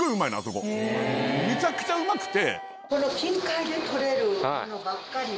めちゃくちゃうまくて。